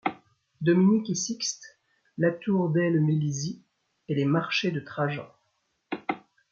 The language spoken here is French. Dominic et Sixte, la Tour delle Milizie et les Marchés de Trajan.